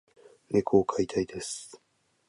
猫を飼いたいです。